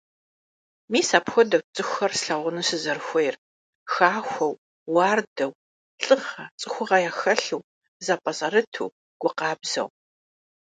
Мис апхуэдэут цӀыхухэр слъэгъуну сызэрыхуейр: хахуэу, уардэу, лӀыгъэ, цӀыхугъэ яхэлъу, зэпӀэзэрыту, гу къабзэу.